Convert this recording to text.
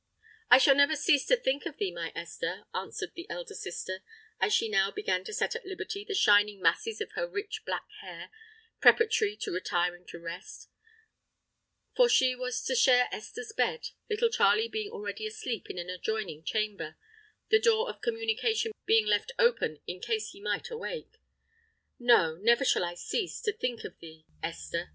"I shall never cease to think of thee, my Esther," answered the elder sister, as she now began to set at liberty the shining masses of her rich black hair, preparatory to retiring to rest; for she was to share Esther's bed, little Charley being already asleep in an adjoining chamber, the door of communication being left open in case he might awake:—"no, never shall I cease, to think of thee, Esther!"